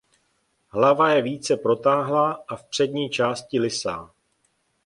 Hlava je více protáhlá a v přední části lysá.